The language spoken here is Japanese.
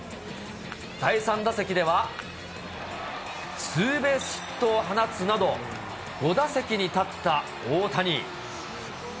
第３打席では、ツーベースヒットを放つなど、５打席に立った大谷。